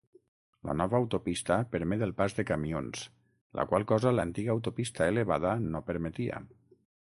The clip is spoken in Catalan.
La nova autopista permet el pas de camions, la qual cosa l'antiga autopista elevada no permetia.